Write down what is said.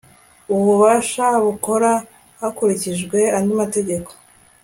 ububasha bukora hakurikijwe andi mategeko